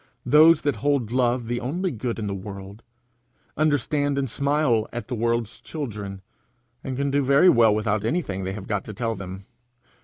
Those that hold love the only good in the world, understand and smile at the world's children, and can do very well without anything they have got to tell them.